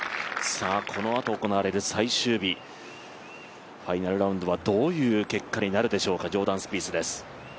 このあと行われる最終日、ファイナルラウンドはどういう結果になるでしょうか、ジョーダン・スピースです。